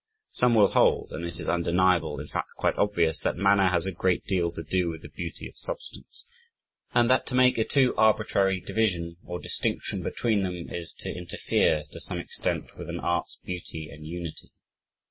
Some will hold and it is undeniable in fact quite obvious that manner has a great deal to do with the beauty of substance, and that to make a too arbitrary division, or distinction between them, is to interfere, to some extent, with an art's beauty and unity.